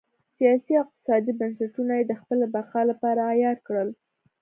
سیاسي او اقتصادي بنسټونه یې د خپلې بقا لپاره عیار کړل.